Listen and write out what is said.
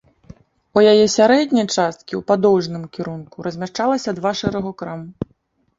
У яе сярэдняй часткі ў падоўжным кірунку размяшчалася два шэрагу крам.